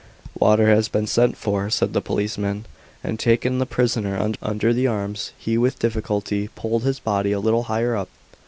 "Water has been sent for," said the policeman, and taking the prisoner under the arms he with difficulty pulled his body a little higher up.